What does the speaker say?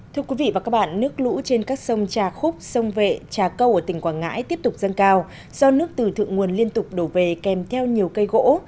thưa quý vị và các bạn nước lũ trên các sông trà khúc sông vệ trà câu ở tỉnh quảng ngãi tiếp tục dâng cao do nước từ thượng nguồn liên tục đổ về kèm theo nhiều cây gỗ